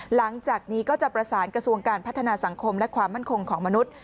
หลังจากนี้ก็จะประสานกระทรวงการพัฒนาสังคมและความมั่นคงของมนุษย์